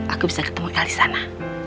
aku bisa ketemu el disana